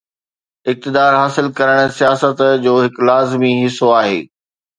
اقتدار حاصل ڪرڻ سياست جو هڪ لازمي حصو آهي.